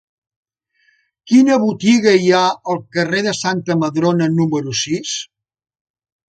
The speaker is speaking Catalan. Quina botiga hi ha al carrer de Santa Madrona número sis?